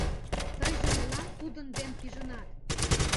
Тыйже молан тудын ден пижынат?